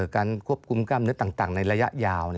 การควบคุมกล้ามเนื้อต่างในระยะยาว